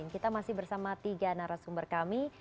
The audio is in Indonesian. kita masih bersama tiga narasumber kami